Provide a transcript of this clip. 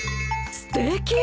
すてき！